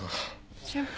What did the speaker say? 先輩。